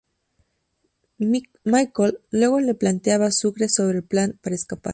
Michael luego le plantea a Sucre sobre el plan para escapar.